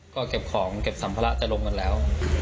ก็เก็บของเก็บสัมภาระจะลงกันแล้ว